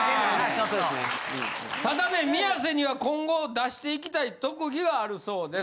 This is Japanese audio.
ただね宮世には今後出していきたい特技があるそうです。